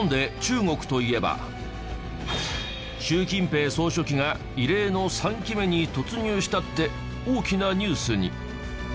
習近平総書記が異例の３期目に突入したって大きなニュースに。